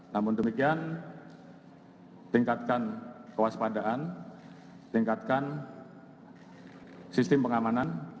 namun demikian tingkatkan kewaspadaan tingkatkan sistem pengamanan